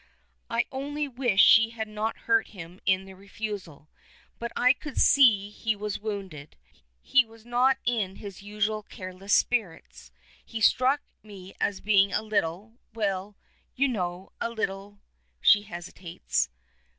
"I only wish she had not hurt him in the refusal. But I could see he was wounded. He was not in his usual careless spirits. He struck me as being a little well, you know, a little " She hesitates.